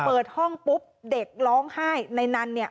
เปิดห้องปุ๊บเด็กร้องไห้ในนั้นเนี่ย